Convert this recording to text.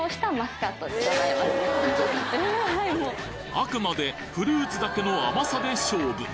あくまでフルーツだけの甘さで勝負